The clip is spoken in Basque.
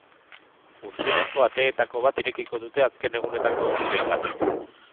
Urtegiko ateetako bat irekiko dute azken egunetako euriteengatik.